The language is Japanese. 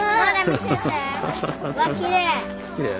うわきれい。